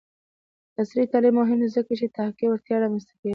عصري تعلیم مهم دی ځکه چې تحقیقي وړتیا رامنځته کوي.